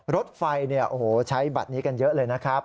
รถไฟใช้บัตรนี้กันเยอะเลยนะครับ